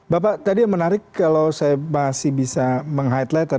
bapak tadi yang menarik kalau saya masih bisa meng highlight